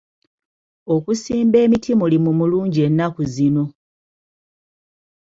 Okusimba emiti mulimu mulungi ennaku zino.